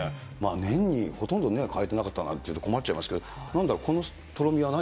年にほとんど替えてなかったなんていうと困っちゃいますけど、なんだろう、このとろみは何？